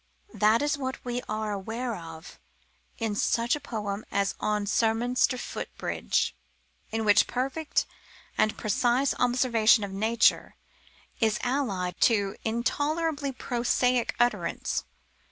That is what we are aware of in such a poem as On Sturminster Foot Bridge, in which perfect and precise observation of nature is allied to intolerably prosaic utterance.